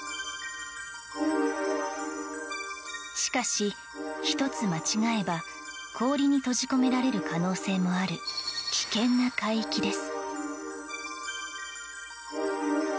しかし、一つ間違えば氷に閉じ込められる可能性もある危険な海域です。